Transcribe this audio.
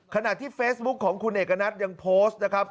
ขณะที่เฟซบุ๊คของคุณเอกณัฐยังโพสต์นะครับ